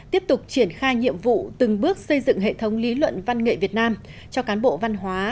tiếp tục triển khai nhiệm vụ từng bước xây dựng hệ thống lý luận văn nghệ việt nam cho cán bộ văn hóa